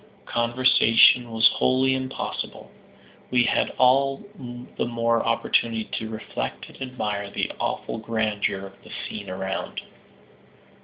Conversation was wholly impossible. We had all the more opportunity to reflect and admire the awful grandeur of the scene around.